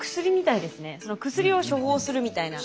薬を処方するみたいな。